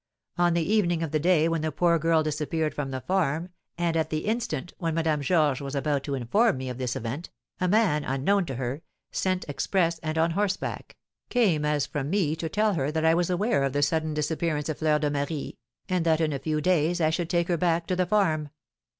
On the evening of the day when the poor girl disappeared from the farm, and at the instant when Madame Georges was about to inform me of this event, a man unknown to her, sent express and on horseback, came as from me to tell her that I was aware of the sudden disappearance of Fleur de Marie, and that in a few days I should take her back to the farm.